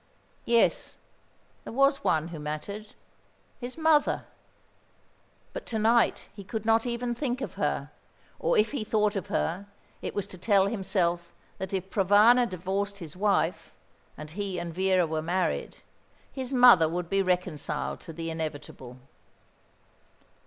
Yes, there was one who mattered. His mother! But to night he could not even think of her, or if he thought of her it was to tell himself that if Provana divorced his wife, and he and Vera were married, his mother would be reconciled to the inevitable.